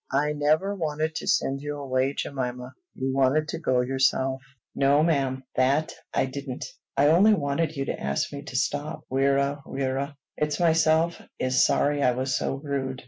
"I never wanted to send you away, Jemima. You wanted to go yourself." "No, ma'am; that I didn't. I only wanted you to ask me to stop. Wirra! wirra! It's myself is sorry I was so rude.